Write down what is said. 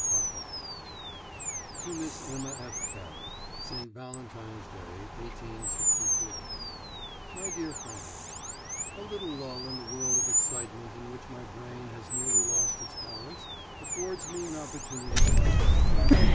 PAPA. TO MISS EMMA F. CARY SAINT VALENTINE'S DAY, 1864. MY DEAR FRIEND: A little lull in the whirl of excitement in which my brain has nearly lost its balance affords me an opportunity to write to you.